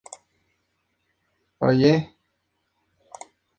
La isla es de propiedad privada, y funciona como un Resort.